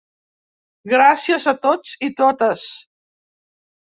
Gràcies a tots i totes!